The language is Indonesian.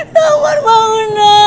damar membunuh damar